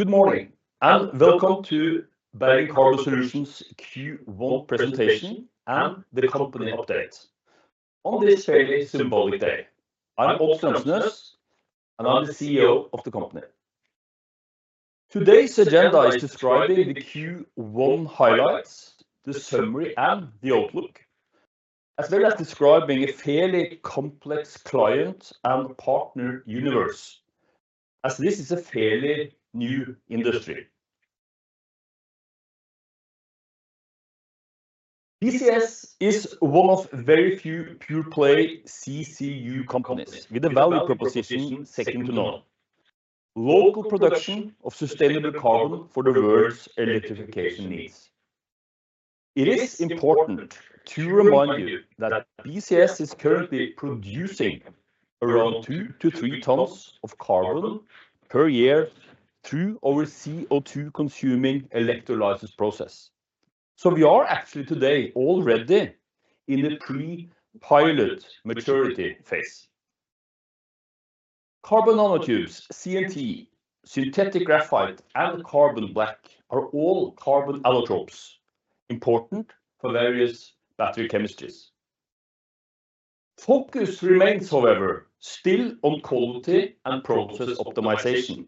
Good morning, and welcome to Bergen Carbon Solutions' Q1 presentation and the company update on this fairly symbolic day. I'm Odd Strømsnes, and I'm the CEO of the company. Today's agenda is describing the Q1 highlights, the summary, and the outlook, as well as describing a fairly complex client and partner universe, as this is a fairly new industry. BCS is one of very few pure-play CCU companies with a value proposition second to none: local production of sustainable carbon for the world's electrification needs. It is important to remind you that BCS is currently producing around 2-3 tons of carbon per year through our CO2-consuming electrolysis process. So we are actually today already in a pre-pilot maturity phase. Carbon nanotubes, CNT, synthetic graphite, and carbon black are all carbon allotropes, important for various battery chemistries. Focus remains, however, still on quality and process optimization.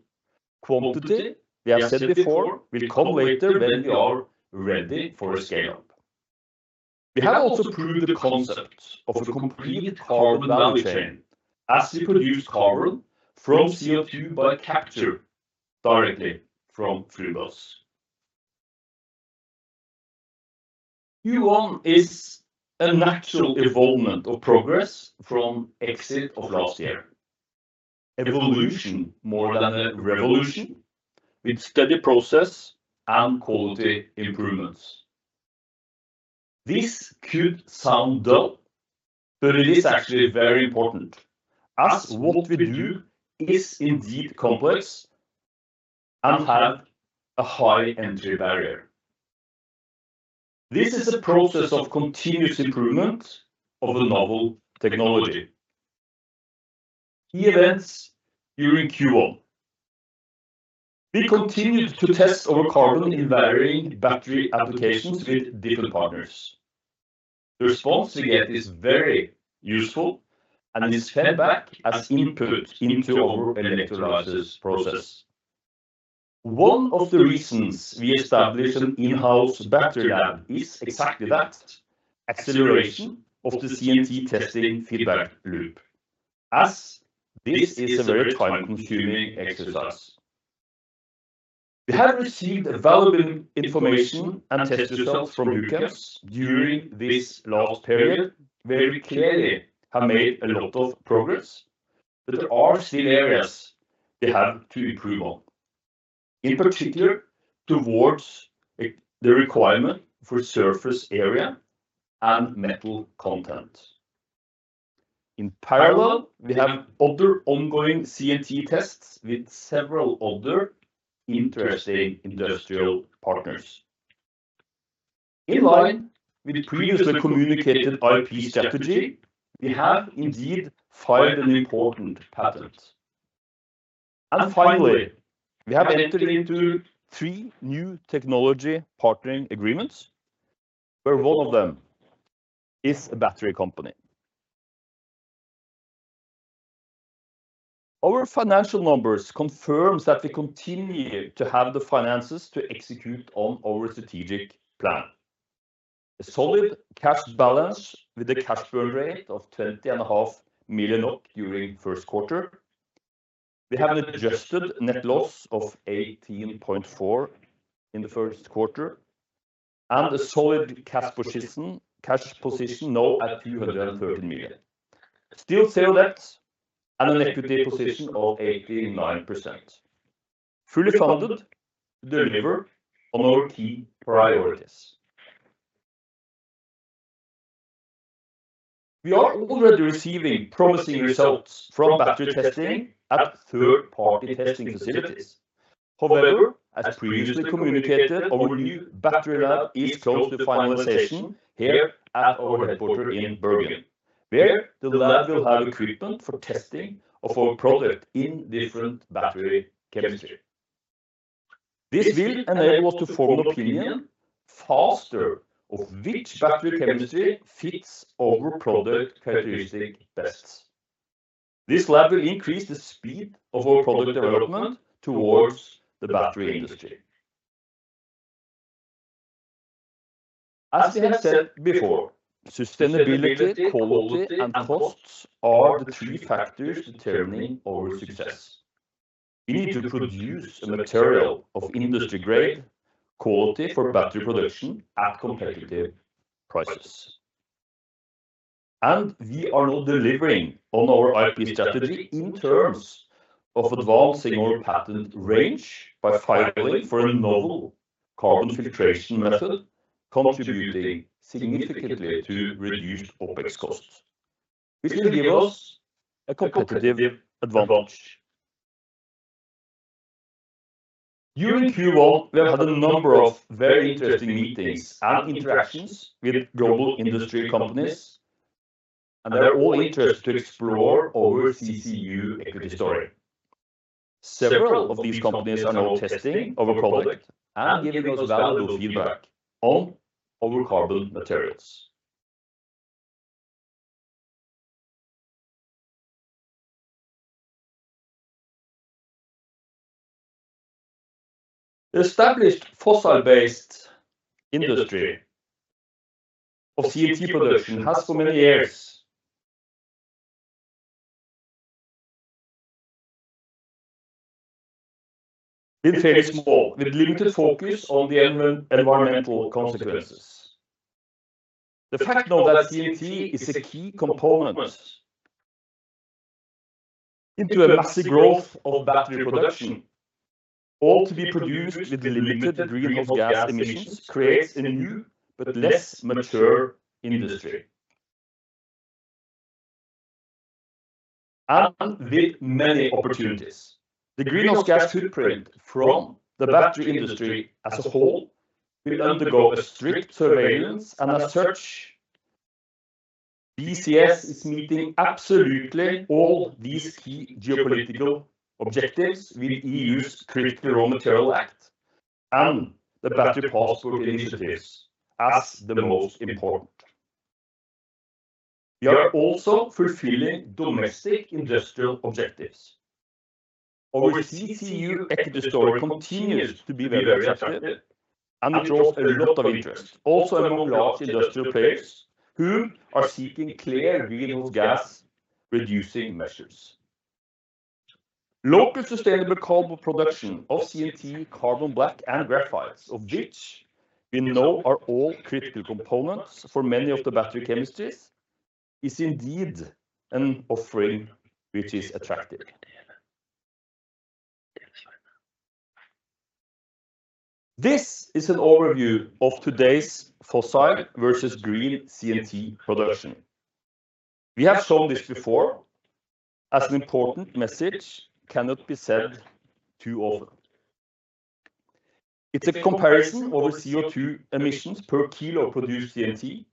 Quantity, we have said before, will come later when we are ready for a scale-up. We have also proved the concept of a complete carbon value chain as we produce carbon from CO2 by capture directly from flue gases. Q1 is a natural evolvement of progress from Q4 of last year. Evolution more than a revolution, with steady process and quality improvements. This could sound dull, but it is actually very important, as what we do is indeed complex and has a high entry barrier. This is a process of continuous improvement of a novel technology. Events during Q1: We continued to test our carbon in varying battery applications with different partners. The response we get is very useful and is fed back as input into our electrolysis process. One of the reasons we established an in-house battery lab is exactly that: acceleration of the CNT testing feedback loop, as this is a very time-consuming exercise. We have received valuable information and test results from Huchems during this last period where we clearly have made a lot of progress, but there are still areas we have to improve on, in particular towards the requirement for surface area and metal content. In parallel, we have other ongoing CNT tests with several other interesting industrial partners. In line with the previously communicated IP strategy, we have indeed filed an important patent. And finally, we have entered into three new technology partnering agreements, where one of them is a battery company. Our financial numbers confirm that we continue to have the finances to execute on our strategic plan. A solid cash balance with a cash burn rate of 20.5 million during first quarter. We have an adjusted net loss of 18.4 million in the first quarter. A solid cash position now at 213 million. Still zero debt and an equity position of 89%. Fully funded, deliver on our key priorities. We are already receiving promising results from battery testing at third-party testing facilities. However, as previously communicated, our new battery lab is close to finalization here at our headquarters in Bergen, where the lab will have equipment for testing of our product in different battery chemistry. This will enable us to form an opinion faster of which battery chemistry fits our product characteristics best. This lab will increase the speed of our product development towards the battery industry. As we have said before, sustainability, quality, and costs are the three factors determining our success. We need to produce a material of industry-grade quality for battery production at competitive prices. We are now delivering on our IP strategy in terms of advancing our patent range by filing for a novel carbon filtration method contributing significantly to reduced OPEX costs. This will give us a competitive advantage. During Q1, we have had a number of very interesting meetings and interactions with global industry companies. They are all interested to explore our CCU equity story. Several of these companies are now testing our product and giving us valuable feedback on our carbon materials. The established fossil-based industry of CNT production has for many years been fairly small, with limited focus on the environmental consequences. The fact now that CNT is a key component into a massive growth of battery production, all to be produced with limited greenhouse gas emissions, creates a new but less mature industry. With many opportunities. The greenhouse gas footprint from the battery industry as a whole will undergo a strict surveillance and a search. BCS is meeting absolutely all these key geopolitical objectives with the EU's Critical Raw Materials Act and the Battery Passport initiatives as the most important. We are also fulfilling domestic industrial objectives. Our CCU equity story continues to be very attractive and draws a lot of interest, also among large industrial players who are seeking clear greenhouse gas reducing measures. Local sustainable carbon production of CNT, carbon black, and graphites, of which we know are all critical components for many of the battery chemistries, is indeed an offering which is attractive. This is an overview of today's fossil versus green CNT production. We have shown this before. As an important message cannot be said too often. It's a comparison of CO2 emissions per kilo of produced CNT,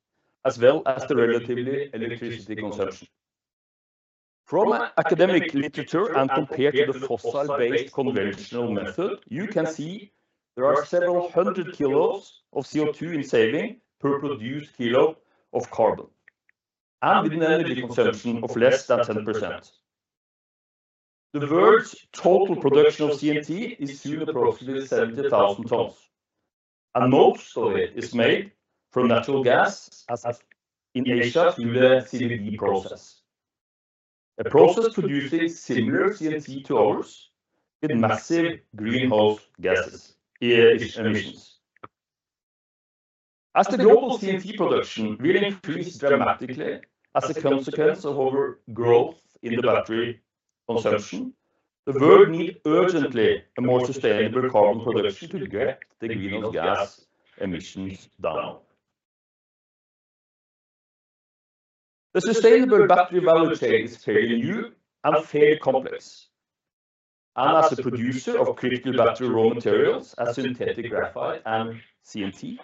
as well as the relative electricity consumption. From academic literature and compared to the fossil-based conventional method, you can see there are several hundred kilos of CO2 in savings per produced kilo of carbon. And with an energy consumption of less than 10%. The world's total production of CNT is soon approximately 70,000 tons. And most of it is made from natural gas in Asia through the CVD process. A process producing similar CNT to ours with massive greenhouse gas emissions. As the global CNT production will increase dramatically as a consequence of our growth in the battery consumption, the world needs urgently a more sustainable carbon production to get the greenhouse gas emissions down. The sustainable battery value chain is fairly new and fairly complex. As a producer of critical battery raw materials as synthetic graphite and CNT,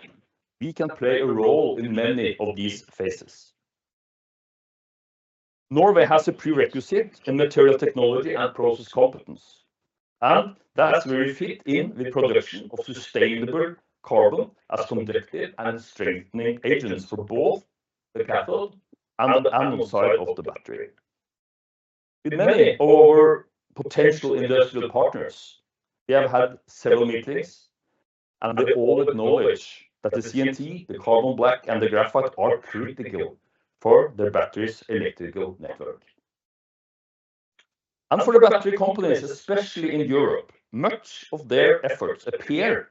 we can play a role in many of these phases. Norway has a prerequisite in material technology and process competence. That has very fit in with production of sustainable carbon as conductive and strengthening agents for both the cathode and the anode side of the battery. With many of our potential industrial partners, we have had several meetings. We all acknowledge that the CNT, the carbon black, and the graphite are critical for their battery's electrical network. For the battery companies, especially in Europe, much of their efforts appear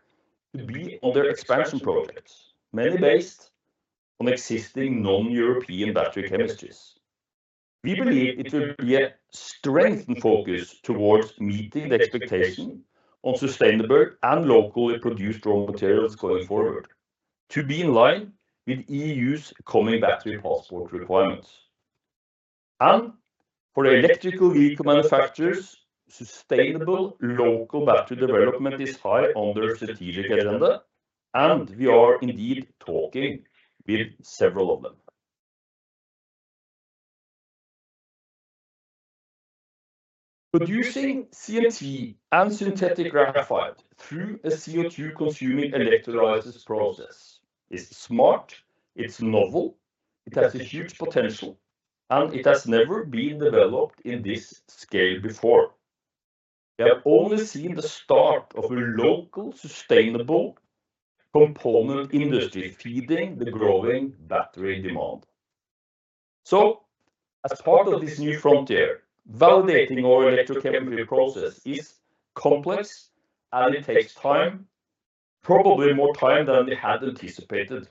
to be on their expansion projects, many based on existing non-European battery chemistries. We believe it will be a strengthened focus towards meeting the expectation on sustainable and locally produced raw materials going forward, to be in line with the EU's coming Battery Passport requirements. For the electric vehicle manufacturers, sustainable local battery development is high on their strategic agenda. We are indeed talking with several of them. Producing CNT and synthetic graphite through a CO2-consuming electrolysis process is smart, it's novel, it has a huge potential, and it has never been developed in this scale before. We have only seen the start of a local sustainable component industry feeding the growing battery demand. As part of this new frontier, validating our electrochemical process is complex and it takes time. Probably more time than we had anticipated.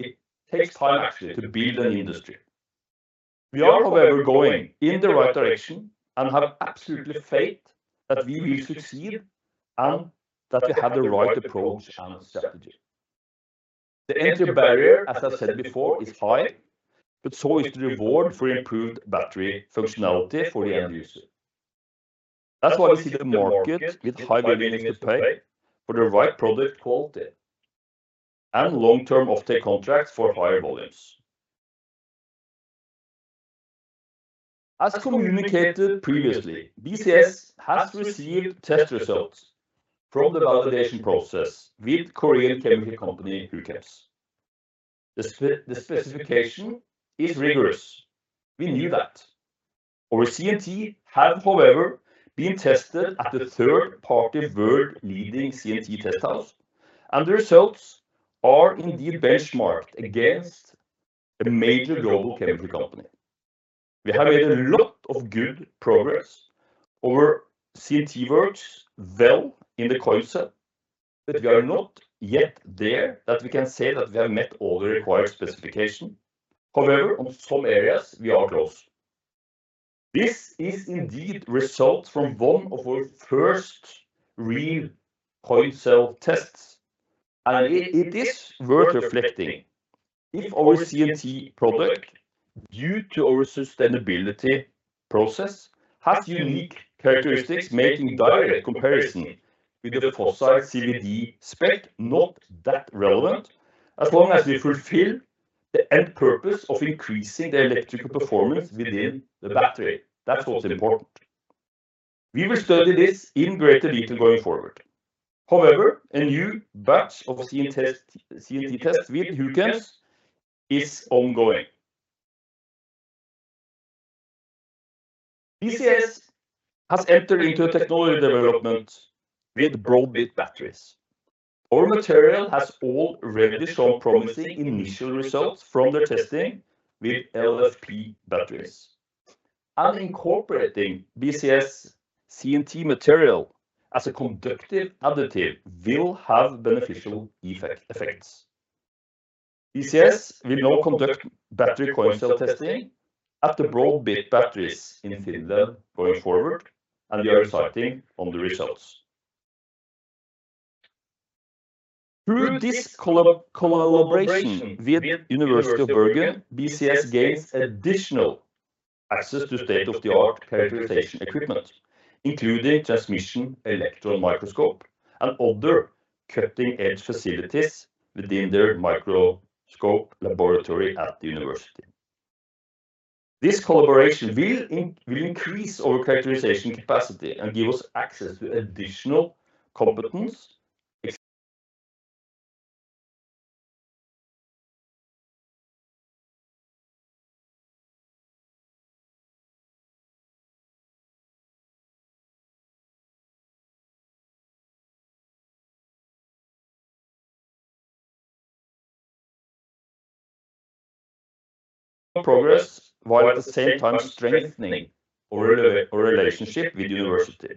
It takes time actually to build an industry. We are, however, going in the right direction and have absolute faith that we will succeed and that we have the right approach and strategy. The entry barrier, as I said before, is high. But so is the reward for improved battery functionality for the end user. That's why we see the market with high value to pay for the right product quality. And long-term offtake contracts for higher volumes. As communicated previously, BCS has received test results from the validation process with Korean chemical company Huchems. The specification is rigorous. We knew that. Our CNT have, however, been tested at the third-party world-leading CNT test house. And the results are indeed benchmarked against a major global chemical company. We have made a lot of good progress. Our CNT works well in the coin cell. We are not yet there that we can say that we have met all the required specifications. However, on some areas, we are close. This is indeed the result from one of our first real coin cell tests. It is worth reflecting. If our CNT product, due to our sustainability process, has unique characteristics making direct comparison with the fossil CVD spec, not that relevant as long as we fulfill the end purpose of increasing the electrical performance within the battery. That's what's important. We will study this in greater detail going forward. However, a new batch of CNT tests with Huchems is ongoing. BCS has entered into a technology development with BroadBit Batteries. Our material has already shown promising initial results from their testing with LFP batteries. Incorporating BCS CNT material as a conductive additive will have beneficial effects. BCS will now conduct battery coin cell testing at the BroadBit Batteries in Finland going forward, and we are excited about the results. Through this collaboration with the University of Bergen, BCS gains additional access to state-of-the-art characterization equipment, including transmission electron microscope and other cutting-edge facilities within their microscope laboratory at the university. This collaboration will increase our characterization capacity and give us access to additional competence. Progress while at the same time strengthening our relationship with the university.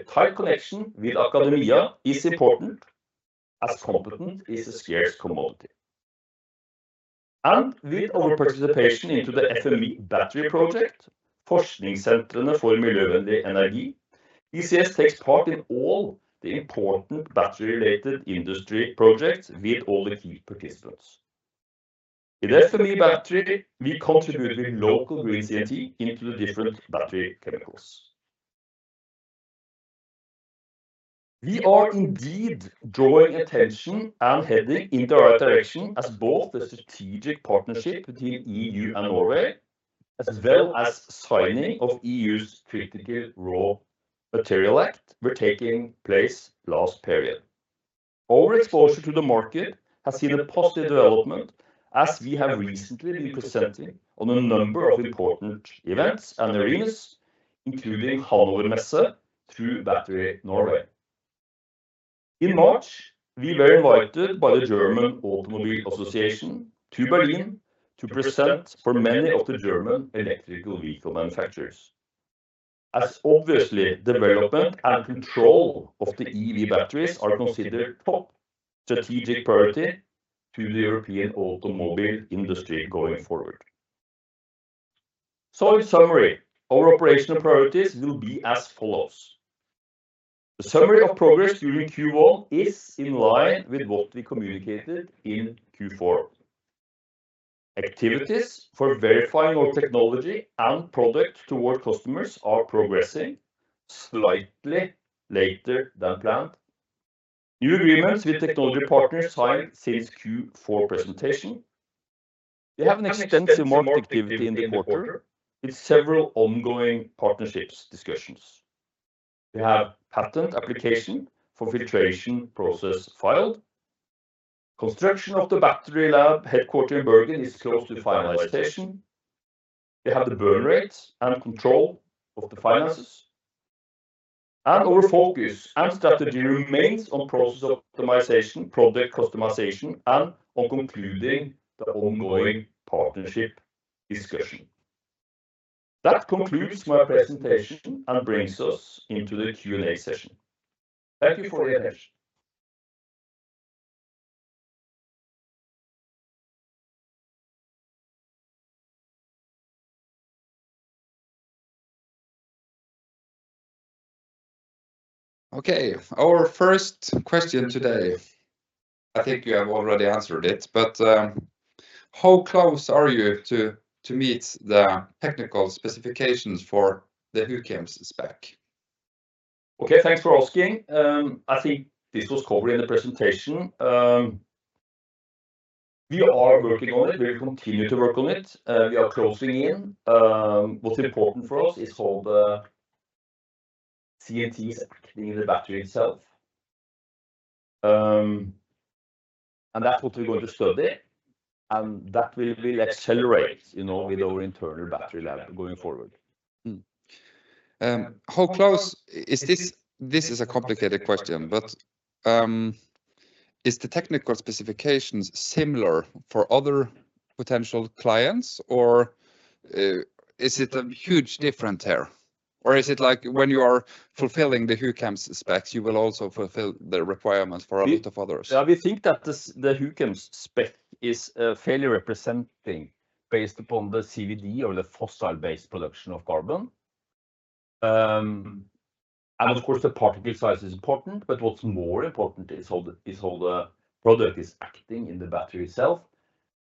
A tight connection with academia is important. As competence is a scarce commodity. With our participation in the FME Battery project, Forskningssentre for miljøvennlig energi, BCS takes part in all the important battery-related industry projects with all the key participants. In the FME Battery, we contribute with local green CNT into the different battery chemicals. We are indeed drawing attention and heading in the right direction as both the strategic partnership between the EU and Norway, as well as signing of the EU's Critical Raw Materials Act, were taking place last period. Our exposure to the market has seen a positive development as we have recently been presenting on a number of important events and arenas, including Hannover Messe through Battery Norway. In March, we were invited by the German Automobile Association to Berlin to present for many of the German electrical vehicle manufacturers. As obviously, development and control of the EV batteries are considered top strategic priority to the European automobile industry going forward. So in summary, our operational priorities will be as follows. The summary of progress during Q1 is in line with what we communicated in Q4. Activities for verifying our technology and product toward customers are progressing slightly later than planned. New agreements with technology partners signed since Q4 presentation. We have an extensive market activity in the quarter with several ongoing partnerships discussions. We have patent application for filtration process filed. Construction of the battery lab headquarters in Bergen is close to finalization. We have the burn rate and control of the finances. And our focus and strategy remains on process optimization, product customization, and on concluding the ongoing partnership discussion. That concludes my presentation and brings us into the Q&A session. Thank you for your attention. Okay, our first question today. I think you have already answered it, but how close are you to meet the technical specifications for the Huchems spec? Okay, thanks for asking. I think this was covered in the presentation. We are working on it. We will continue to work on it. We are closing in. What's important for us is all the CNTs acting in the battery itself. That's what we're going to study. That will accelerate, you know, with our internal battery lab going forward. How close is this? This is a complicated question, but is the technical specifications similar for other potential clients, or is it a huge difference here? Or is it like when you are fulfilling the Huchems specs, you will also fulfill the requirements for a lot of others? Yeah, we think that the Huchems spec is fairly representing based upon the CVD or the fossil-based production of carbon. Of course, the particle size is important, but what's more important is how the product is acting in the battery itself.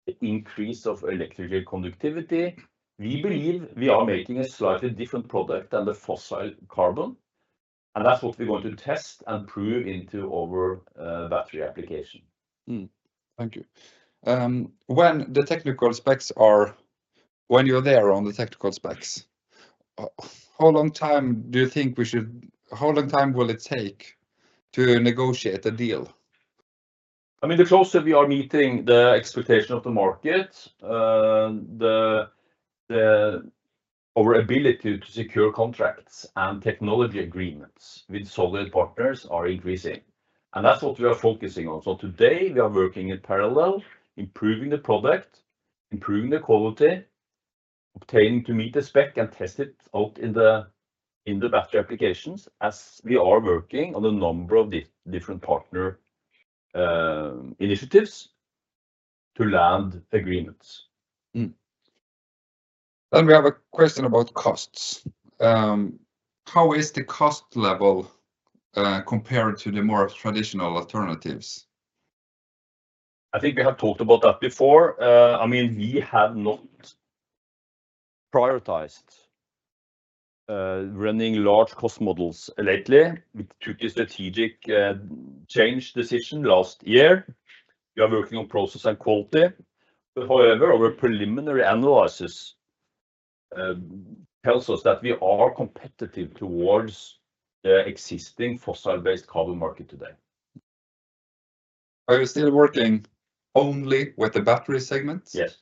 The increase of electrical conductivity. We believe we are making a slightly different product than the fossil carbon. That's what we're going to test and prove into our battery application. Thank you. When the technical specs are when you're there on the technical specs, how long time do you think we should how long time will it take to negotiate a deal? I mean, the closer we are meeting the expectation of the market, the our ability to secure contracts and technology agreements with solid partners are increasing. That's what we are focusing on. So today, we are working in parallel, improving the product, improving the quality, obtaining to meet the spec and test it out in the battery applications as we are working on a number of different partner initiatives to land agreements. We have a question about costs. How is the cost level compared to the more traditional alternatives? I think we have talked about that before. I mean, we have not prioritized running large cost models lately. We took a strategic change decision last year. We are working on process and quality. However, our preliminary analysis tells us that we are competitive towards the existing fossil-based carbon market today. Are you still working only with the battery segments? Yes.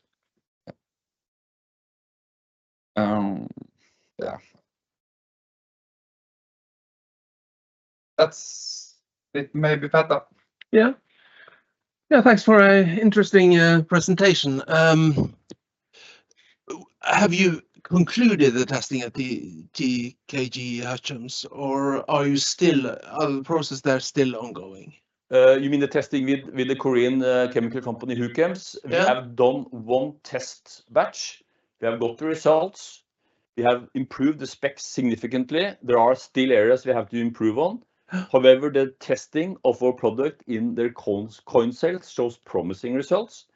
Yeah. That's it may be better. Yeah. Yeah, thanks for an interesting presentation. Have you concluded the testing at the TKG Huchems, or are you still in the process there still ongoing? You mean the testing with the Korean chemical company Huchems? We have done one test batch. We have got the results. We have improved the specs significantly. There are still areas we have to improve on. However, the testing of our product in their coin cells shows promising results.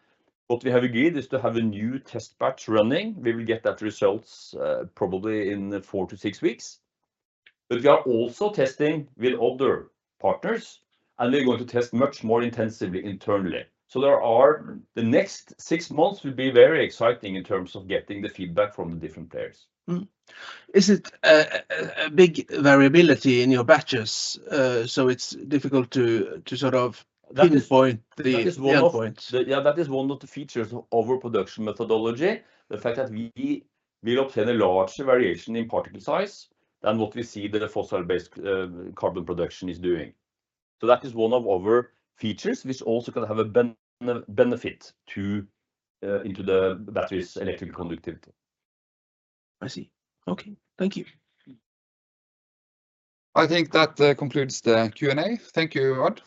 What we have agreed is to have a new test batch running. We will get that results probably in 4-6 weeks. But we are also testing with other partners, and we're going to test much more intensively internally. So there are the next 6 months will be very exciting in terms of getting the feedback from the different players. Is it a big variability in your batches? So it's difficult to sort of pinpoint the endpoint. Yeah, that is one of the features of our production methodology. The fact that we will obtain a larger variation in particle size than what we see the fossil-based carbon production is doing. So that is one of our features, which also can have a benefit into the battery's electrical conductivity. I see. Okay. Thank you. I think that concludes the Q&A. Thank you, Odd.